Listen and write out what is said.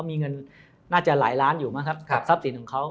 มีเงินน่าจะหลายล้านอยู่มั้งครับกับทรัพย์สินของเขา